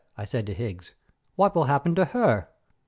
I said to Higgs, "what will happen to her?"